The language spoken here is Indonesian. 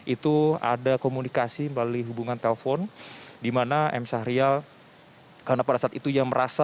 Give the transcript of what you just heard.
itu ada komunikasi melalui hubungan telepon di mana m sahrial karena pada saat itu yang merasa